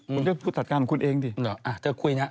คุณก็ขอจัดการมันคุณเองดิหรออะเธอก็คุยนะ